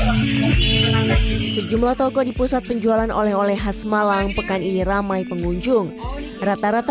hai sejumlah toko di pusat penjualan oleh oleh khas malang pekan ini ramai pengunjung rata rata